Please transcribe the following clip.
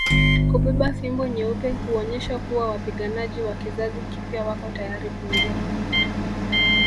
Kubeba fimbo nyeupe huonyesha kuwa wapiganaji wa kizazi kipya wako tayari kuingia